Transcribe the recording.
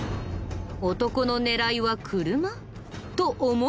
男の狙いは車？と思いきや。